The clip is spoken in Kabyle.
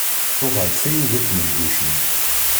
Uɣeɣ-d tayuga n tmengucin.